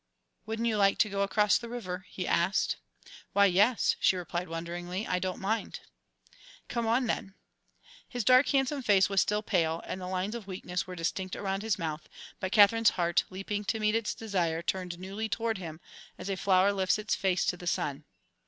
"Wouldn't you like to go across the river?" he asked. "Why, yes," she replied wonderingly, "I don't mind." "Come on, then." His dark, handsome face was still pale, and the lines of weakness were distinct around his mouth, but Katherine's heart, leaping to meet its desire, turned newly toward him, as a flower lifts its face to the sun.